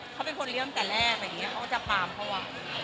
เขาเป็นคนเลี้ยงแต่แรกอะไรอย่างนี้เขาก็จะปามเขาอ่ะ